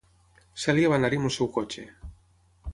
Celia va anar-hi amb el seu cotxe.